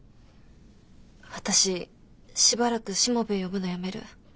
私しばらくしもべえ呼ぶのやめる。